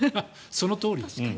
そのとおりですね。